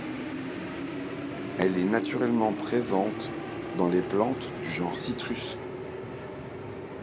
Elle est naturellement présente dans les plantes du genre Citrus.